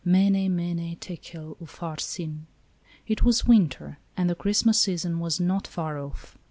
Mene, mene, tekel, upharsin." It was winter, and the Christmas season was not far off.